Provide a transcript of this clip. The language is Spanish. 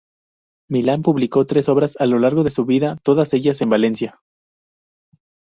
Milán publicó tres obras a lo largo de su vida, todas ellas en Valencia.